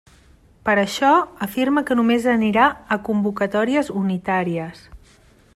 Per això afirma que només anirà a convocatòries unitàries.